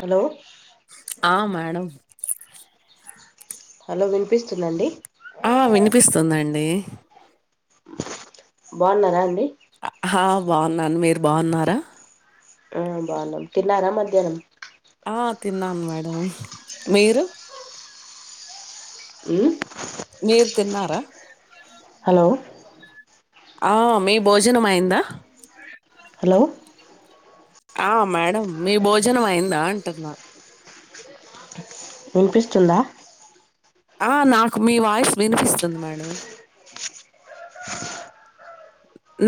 Hello ఆ madam hello వినిపిస్తుందా అండి ఆ వినిపిస్తుందండి. బావున్నారా అండి హా బావునాన్ను మీరు బావున్నారా? ఆ బావున్నా తిన్నారా మధ్యాహ్నం ఆ తిన్నామ్ మేడం మీరు ఉమ్ మీరు తిన్నరా అలో ఆ మీ భోజనం అయిందా అలో ఆ మేడం మీ భోజనం అయిందా అంటున్న వినిపిస్తుందా ఆ నాకు మీ వాయిస్ వినిపిస్తుంది మేడమ్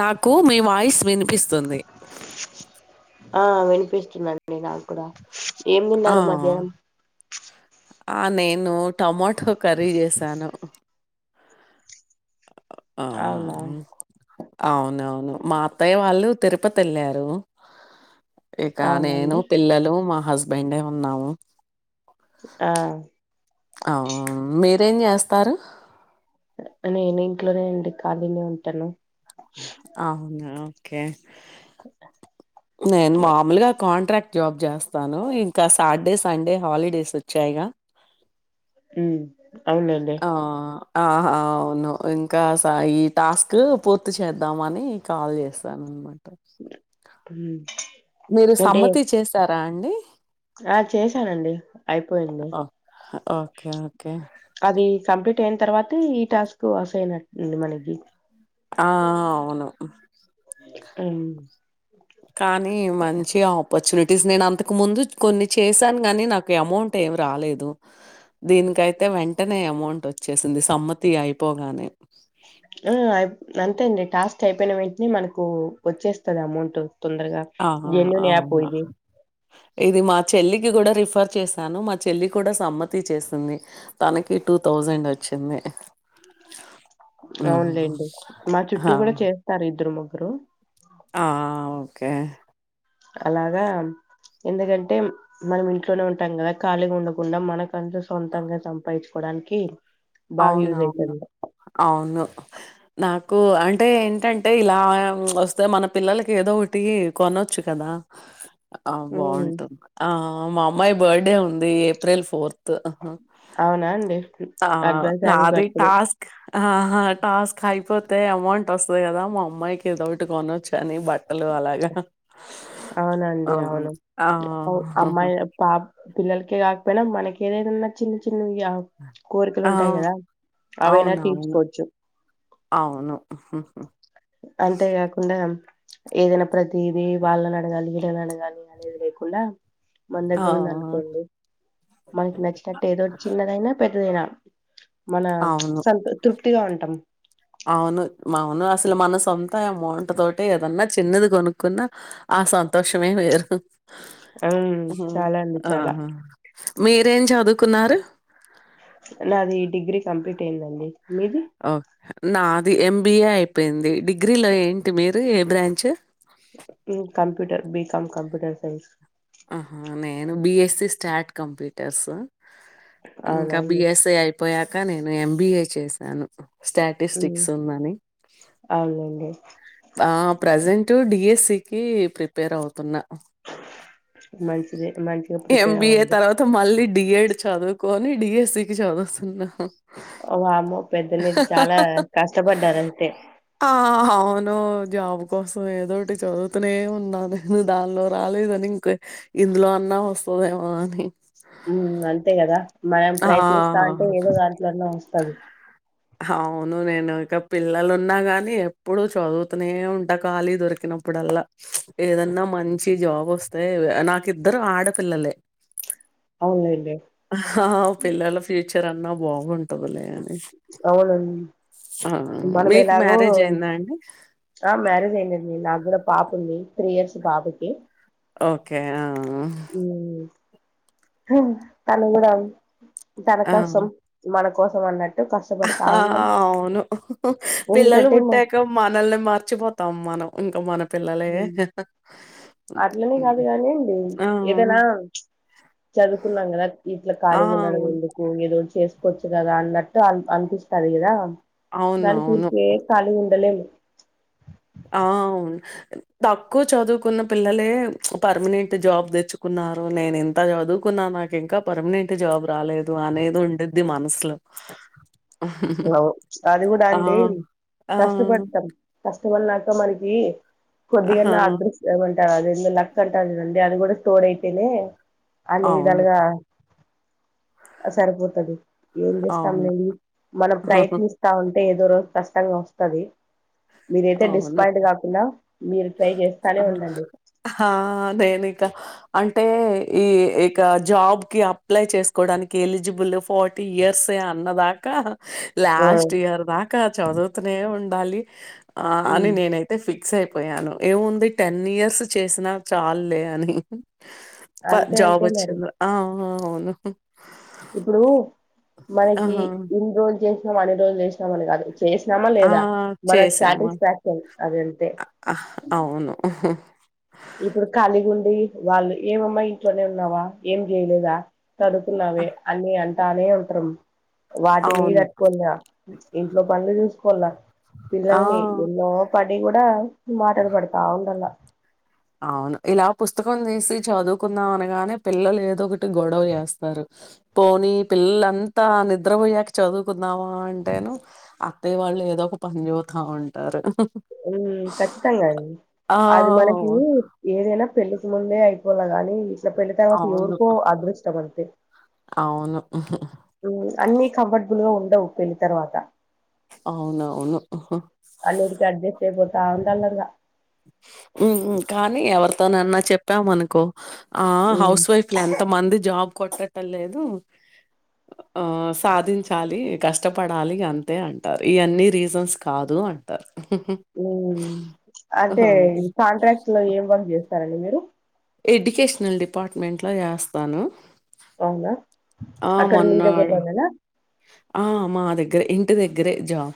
నాకు మీ వాయిస్ వినిపిస్తుంది. ఆ వినిపిస్తుందండి నాక్కుడా ఏం ఆ తిన్నారు మధ్యాహ్నం ఆ నేను టమాటో కర్రీ జెసాను. ఆ అవునా అవునవును మా అత్తయ్య వాళ్ళు తిరుపతెల్లారు ఇక నేను అవునండి పిల్లలు మా పైన్నే ఉన్నాము ఆ అవు మీరేం జేస్తారు నేను ఇంట్లోనే అండి ఖాళీనే ఉంటాను. అవునా కే నేన్ మాముల్ గా కాంట్రాక్ట్ జాబ్ చేస్తాను ఇంకా సాట్ డే, సండే హాలిడేస్ వచ్చాయిగా. హు ఆ ఆహా అవును ఇంకాస్ ఈ టాస్క్ పూర్తి చేద్దామని కాల్ చేస్తాను. మీరు ఎంటే సమ్మతి చేసారా అండి ఆ చేశానండి అయిపోయింది ఓహ్! ఓకే ఓకే అది కంప్లీట్ టెన్ తర్వాత ఈ టాస్క్ అసైన్ అంటండి మనకి. ఆ అవును [unintelligible] క్కడం [unintelligible] కానీ మంచి ఆపర్చునిటీస్ నేను అంతకు ముందు కొన్ని చేసాను. గాని నాకు అమౌంట్ ఏమి రాలేదు. దీనికైతే వెంటనే అమౌంట్ వచ్చేసింది సమ్మతి అయిపోగానే. ఆ! అయి అంతే అండి టాస్క్ అయిపోయిన వెంటనే మనకు వచ్చేస్తది అమౌంట్ తొందరగా ఆహా! జన్యున్ యాప్ అవునా! ఇది ఇది మా చెల్లికి కూడా రిఫర్ చేసాను మా చెల్లి కూడా సమ్మతి చేసింది తనకి టూ తౌజండ్ వచ్చింది ఆ! అవునులేండి మా చుట్టూ ఆ! కూడా చేస్తారు ఇద్దరు ము కరు ఆ ఓ కే అలాగా ఎందుకంటే మనం ఇంట్లోనే ఉంటాం కదా ఖాళీగా ఉండకుండా మనకంటూ సొంతంగా సంపాయించుకోడానికి అవునవును అవును నాకు అంటే ఏంటంటే ఇలా వస్తే మన పిల్లలకి ఏదో ఒకటి కొనొచ్చు కదా ఆ హ్మ్. బావుంటు ఉంది ఆ మా అమ్మాయి బర్త్డే ఉంది ఏప్రిల్ ఫోర్ అవునా అండి ఆ! అడ్వా నాది టాస్క్ అహా టాస్క్ అయిపోతే అమౌంట్ వస్తుంది కదా మా అమ్మాయికి ఏదోటి కొనొచ్చు అని బట్ ఆ! అవునండి అవును ఆ! అవ్ అమ్మాయి పాప్ పిల్లలకే కాకపోయినా మనకి ఏదేదన్న చిన్ చిన్ నుయావ్ కోరికలు ఆ! ఉంటాయి కదా అవైనా అవునవును. తీర్చుకోవచ్చు అవును ఉ హు హూ అంతేకాకుండా ఏదైనా ప్రతిది వాళ్ళని అడగాలి వీళ్ళని అడగాలి అనేది లేకుండా మన ఆ! దగ్గర ఉంది అనుకొండి మనకి నచ్చినట్టు ఏదో చిన్నదైనా పెధ్ నువ్వేనా మన అవును. సంత్ తృప్తిగా ఉంటాం అవును. అవును అసలు మన సొంతామౌంట్ తోటే ఏదన్నా చిన్నది కొనుక్కున్నా ఆ సంతోషమే వేరు ఉమ్ హ్మ్. చాలా అండి చాలా ఆహా! మీరేం చదు నాది డిగ్రీ కంప్లీట్ అయిందండి మీరు ఓ నాది ఎంబిఏ అయిపోయింది డి గ్రీలో ఏంటి మీరు ఏం బ్రాంచ్ ఉ computer B com computer science ఆహా నేను బీఎస్సీ స్టాట్ కంప్యూటర్స్ అవునా ఇంకా అండి? బీఎస్సీ ఐ పోయాక నేను ఎంబీఏ చేశాను హ్మ్. స్టాటిస్టిక్స్ ఉందని అవునులెండి. ఆ ప్రజెంట్ డీఎస్సీకి ప్రిపేర్ అవుతున్న మంచిదే మంచిగా ప్రిపేర్ అవ్వండి బి ఎడ్ చదువుకొని డీఎస్సీ కి చదువుతున్నా వామ్మో పెద్ద మీరు చాలా కష్టపడ్డారు అంటే నో జాబ్ కోసం ఏదోటి చదువుతూనే ఉన్నా నేను దానిలో రాలేదని ఇంక ఇందులో అన్నా వస్తదేమో అని మ్మ్ అంతే కదా మనం ఆ! ప్రయత్నిస్తా ఉంటే ఏదో దాంట్లోన్న వస్తది అవును నేను ఇక పిల్లలు ఉన్నా గాని ఎప్పుడు చదువుతూనే ఉంట ఖాళీ దొరికినప్పుడల్లా ఏదన్నా మంచి జాబ్ వస్తే నాకు ఇద్దరు ఆడపిల్లలే అవునులేండి హ పిల్లల ఫ్యూచ చరన్నా బాగుంటదులే అని ఆ! అవునండి మనం మీకు ఎలాగో మ్యారేజ్ అయిందా అండి? ఆ మ్యారేజ్ అయినది నాకు కూడా పాప ఉంది త్రీ ఇయర్స్ బాబు కి ఓకే ఆ తను కూడా ఆ! తనకసం మన కోసం అన్నట్ ఆ అవును పిల్లలు ఎందుకంటే మా పుట్టాక మనల్ని మర్చిపోతాం మనం ఇంకా మన పిల్లలే ఉమ్, అట్లనే కాదు హ్మ్. కానిండి ఆ! ఏదైనా చదువుకున్నాం కదా ఇట్లా ఆ! ఖాళీగా ఉండడం అవును. ఎందుకు ఏదో చేసుకోవచ్చు కదా అన్నట్టు అ అనిపిస్తంది కదా దానికి అవునవును. ఊరికే కాలిగా ఉండలేం ఆ తక్కువ చదువుకున్న పిల్లలే పర్మనెంట్ జాబ్ తెచ్చుకున్నారు నేను ఇంత చదువుకున్నా నాకు ఇంకా పర్మనెంట్ జాబ్ రాలేదు అనేది ఉండుద్ది మనసులో హలో అది కూడా ఆ! అండి ఆ! కష్టపడతాం కస్ ఇష్టమన్నాక మనకి ఆహా! కొద్దిగన్న అడ్రస్ ఏదన్న అదేందో లక్క అంటరు చూడండి అది కూడా తోడైతేనె అన్ని అవును. విధాలుగా సరిపోతుది ఏం అవును. చేస్తాములేండి మనం ప్రయత్నిస్తా ఉంటే ఏదో రోజు కష్టంగా ఒస్తది మీరైతే అవును. డిసప్పయింట్ కాకుండా మీరు ట్రై ఆ! చేస్తానే ఉండండి ఆ! నేనిక అంటే ఈ ఇక జాబ్ కి అప్లై చేసుకోవడానికి ఎలిజిబుల్ ఫార్టీ ఇయర్సే అన్నదాకా ఆ లాస్ట్ ఇయర్ దాకా చదువుతనే ఉం డాలి ఆ అని ఉమ్ నేనైతే ఫిక్ ఫిక్స్ అయిపోయాను ఏముంది టెన్ ఇయర్స్ చేసినా చాలులే అని ప అంతే జాబ్ అంటే మరి వచ్చింది ఆ అవును ఇప్పుడు మనకి ఆహా! ఇన్ రోజులు చేస్ మన అన్ని రోజలు చేష్ణామని కాదు చేసినామా ఆ! లేదా మనకు చేశాము. సాటిస్ఫాక్షన్ అదంతే అ! అవును. ఇప్పుడు ఖాళీగుండి వాళ్ళు ఏమమ్మా ఇంట్లోనే ఉన్నావా ఏం జేయలేదా ఆ! చదుకున్నావే అని అం తానే ఉంట్రు వాటిని అవును. కట్టుకోన ఇంట్లో పనులు జూస్ కొల పిల్లలని ఆ! ఎన్నో పడ్ నీ కూడా మాటలు పడతా ఉండలా అవును ఇలా పుస్తకం దీసి చదువుకుందాం అనగానే పిల్లలు ఏదో ఒకటి గొడవ జేస్తారు పోనీ పిల్లలంతా నిద్రపోయ్యాక చదువుకుందావా అంటేను అత్తయ్య వాళ్ళు ఏదో ఒక పని చబుతా ఉంటారు ఉమ్ ఖచ్చితంగా అండీ ఆ! అది మనకి ఏదైనా పెళ్లికి ముందే అయిపోల గాని ఇట్లా పెళ్ళ తర్వాత అవును. ఎవరికో అదృష్టం అంతే అవును. ఊ అన్ని కంఫర్టబుల్ గా ఉ డవ్ పెళ్ళి తర్వాత అవునవును అల్ ఇడికి అడ్జస్ట్ అయిపోతే రా అంటన్నారగ కానీ ఎవరితోనన్న చెప్పాం మనకో ఆ హౌస్ వైఫ్ లన్ కొంతమంది జాబ్ కొట్టడం లేదు ఆ సాధించాలి కష్టపడాలి అంతే అంటారు ఈ అన్ని రీజన్స్ కాదు అంటారు [unintelligible] హ్మ్ అంటే కాంట్రాక్ట్ లో ఏం వంక్ చే సరండి మీరు ఎడ్యుకేషనల్ డిపార్ట్మెంట్లో చేస్తాను అవునా ఆ అక్కడ మీ మొన్నాడు దగ్గరలోనేనా ఆ మా దగ్గర ఇంకా ఇ దగ్గరే జాబ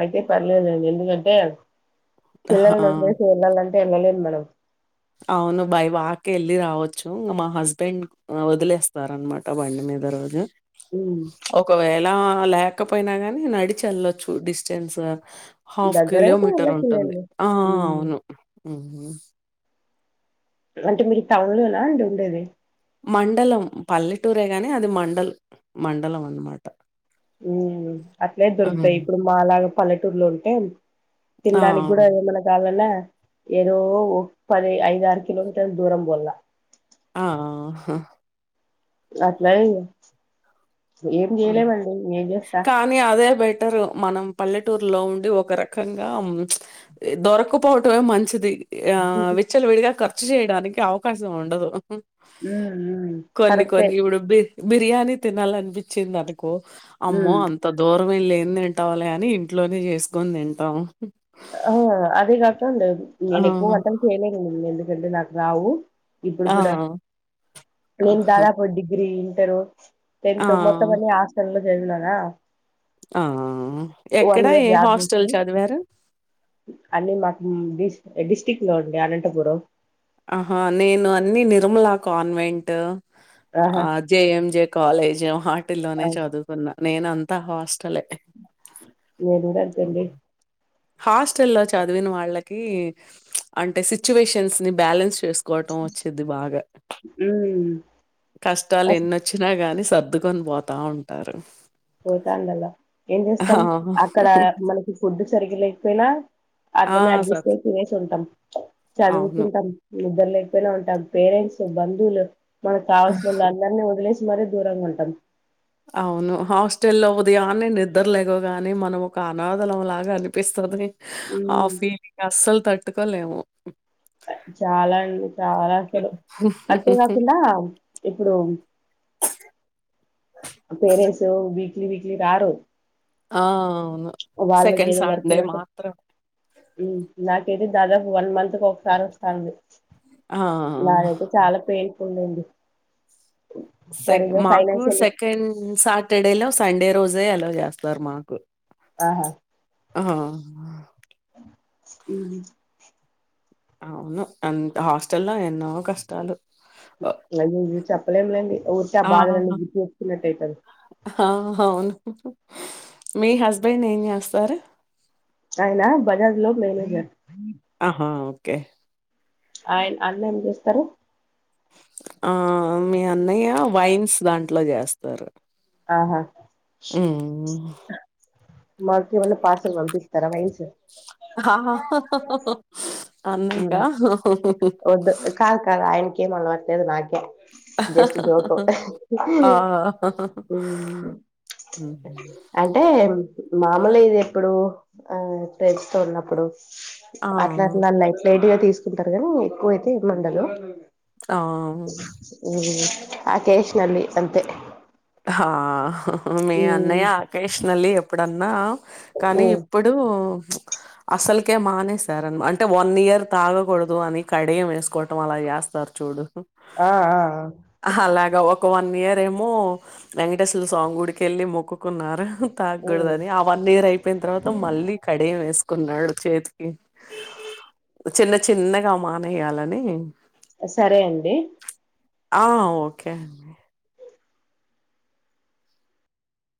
అయితే పర్లేదుండి ఎందుకంటే ఆహా పిల్లల్ని వాదిలేసి వెళ్ళాలంటే వెళ్ళలేదు మనం అవును బై వాక వెళ్ళి రావచ్చు ఇంకా మా హస్బెండ్ వదిలేస్తార అనమాట బండి మీద రోజు హ్మ్ ఒకవేలా లేకపోయినా కాని న నడిచి వెళ్లొచ్చు డిస్టెన్స్ హాఫ్ దగ్గరయితే కిలోమీటర్ ఉంటుంది వెళ్ళొచ్చులేండి ఆ హ్మ్ అవును అంటే మీరు టౌన్లోనా అండి ఉండేది మండలం పల్లెటూరే గాని అది మండలం మండలం అన్నమాట ఉ అట్లే దొరుకుతాయి ఇప్పుడు మా లాగా పల్లెటూరులో ఉంటే ఆ తినడానికి కూడా ఏమన్నా కావాలన్నా ఏదో ఒక పది ఐదు ఆరు కిలోమీటర్ దూరం పోల్ల ఆ అట్లా ఏం అవును చేయలేమండి ఏం చేస్తా కానీ అదే బెటరు మనం పల్లెటూరులో ఉండి ఒక రకంగా దొరకపోవటమే మంచిది ఆ విచ్చల్ విడిగా క ర్చ చేయడానికి అవకాశం ఉండదు ఉ కొన్ని కరెక్టే కొన్ని ఇప్పుడు బి బిర్యానీ తెనాలి చ్చింది అనకు అమ్మో హ్మ్. అంత దూరం ఇరమే లే ఏని తింటవాల కాని ఇంట్లోనే చేసుకని తింటాం అ అది కా [unintelligible] ఆ! నేను ఎక్కువ వంటలు చేయలేనును రడి నాకు రావు ఇప్పుడు ఆ! కూడా ఆ! నేను దాదాపు డిగ్రీ ఫరు ఆ! ఎంతంతో మత్త మ ఆసనలో జ విన్నానా ఆ ఎక్కడా ఏ హాస్టల్ చదివారు అన్న మాకు డి డిస్టిక్ట్ లో అండి అనంతపురం ఆహా నేను అన్ని నిర్మలా కాన్వెంట్ ఆహా! ఆ జేఎం జే కాలేజీ వాటిల్లోనే చదువుకున్న నేన అంతా హాస్ట్ నంట అకడి [unintelligible] ఫాస్ట్ చల్లో చాదవిన వాళ్లకి ఈ అంటే సిచ్యువేషన్స్ ని బాలన్స్ చేసు కోటం వచ్చేది బాగా హ్మ్. కష్టాలు అస్ ఎన్నిచ్చినా కానీ సర్దుకొని పోతా ఉంటారు పోతా ఉండాలా ఏం ఆ! చేస్తాం. అక్కడ మనకి ఫుడ్ సరిగ లేకపోయినా, ఆ! అట్లనే అడ్జస్ట్ సత్ అయి తినేసి ఉంటాం అవును. చదువుతుంటాం. నిద్దరు లేకపోయినా ఉంటాం పేరెంట్స్, బంధువులు మనకు కావలిసినోళ్లు అందరినీ వదిలేసి మరి దూరంగా ఉంటాం. అవును హాస్టల్ లో ఉదయాన్ని నిద్ర లెగవగానే మనం ఒక అనాదలంలాగా అనిపిస్తుంది. ఆ ఉమ్ ఫీలింగ్ అస్సలు తట్టుకోలేము. చాలా అండి చాలా అసలు అంతే కాకుండా ఇప్పుడు పేరెంట్స్ వీక్లీ, వీకీలి రారు. ఆ వాళ్ళకి సెకండ్ ఏదో సాటార్డే వర్క్లు మాత్రం ఇది దాదాపు వన్ మంత్ కు ఒకసారి వస్తాంది. ఆ! నాదైతే చాలా పెయిన్స్ ఉండుంది. సే మాకు ఫైనాన్షియల్ సెకండ్ సాటర్డేలో స సండే రోజే ఆలో చేస్తారు మాకు ఆ ఆ [unintelligible] హ్ అవును అంత హాస్టల్ లో ఎన్నో కష్టాలు. ఒ అవి ఇవి చెప్పలేములేండి ఊరికె ఆ బాధలన్నీ గుర్తుచేసుకున్నట్టు అయితాంది. ఆ అవును హ్హ్హ్ మీ హస్బెండ్ ఏం చేస్తారు ఆయన బజాజ్ లో మేనేజర్ ఆహా ఓకే ఆయన్ అన్న ఏం చేస్తారు? ఆ మీ అన్నయ్య వైన్స్ దాంట్లో చేస్తారు. ఆహా హ్మ్. మాకు ఎమన్నా పార్సల్ పంపిస్తారా మీల్ల్స్ ఆహా హా హా హ్ వద్దు కాద్ కాదు ఆయనకు ఏమి అలవాటు లేదు నాకే జస్ట్ జోకు ఆ ఊ అంటే మాములే ఇది ఎప్పుడు ఆ ఫ్రెండ్స్ తో ఉన్నప్పుడు ఆ అట్లన్న లైట్ లైట్ గా తీసుకుంటారు గనీ ఎక్కువైతే మండదు ఆ ఊ అకేష్ నలి అంతే హా మీ ఉమ్ అన్నయ్య అకేష్ నలి ఎప్ప ఎప్పుడన్నా కానీ ఉమ్ ఇప్పుడు అసలుకే మానేసారు అన్ అంటే వన్ ఇయర్ తాగకూడదు అని కడియం వేసుకోవటం అలా వేస్తారు చూడు ఆ ఆ ఆ అలాగా ఒ ఒక వన్ ఇయర్ ఏమో వెంకటేశ్వర్లు స్వామి గుడికి వెళ్ళి మొక్కుకున్నారు తాగకూడదు ఉమ్ అని ఆ వన్ ఇయిర్ అయిపోయిన తర్వాత మళ్లీ కడియం వేస్ కున్నాడు చేతికి చిన్న చిన్నగా మానేయాలని సరే అండి ఆ ఓకే అండి